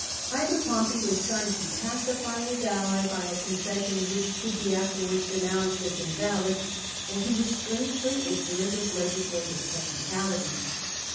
Either Pompey was trying to pacify his ally by a concession which could be afterwards denounced as invalid, or he was strangely ignorant of legislative technicalities.